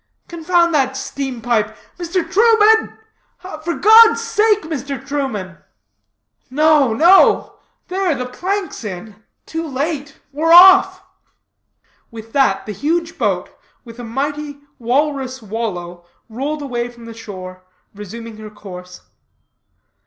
Confound that steam pipe., Mr. Truman! for God's sake, Mr. Truman! No, no. There, the plank's in too late we're off." With that, the huge boat, with a mighty, walrus wallow, rolled away from the shore, resuming her course.